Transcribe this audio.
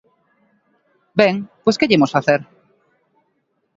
Ben, pois ¿que lle imos facer?